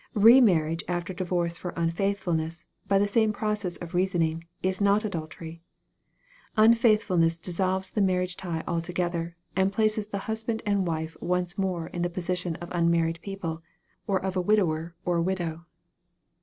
Re marriage after divorce for unfaithf ulness, by the same process of reasoning, is not adultery Unfaithfulness dissolves the marriage tie altogether, and places th husband and wife once more in the position of unmarried peoptej, f* of a widow e or widow.